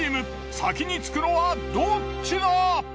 先に着くのはどっちだ？